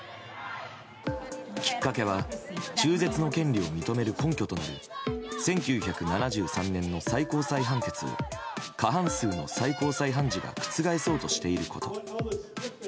きっかけは中絶の権利を認める根拠となる１９７３年の最高裁判決を過半数の最高裁判事が覆そうとしていること。